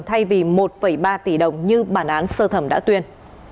thay vì một ba tỷ đồng như bản án sơ thẩm đã tuyên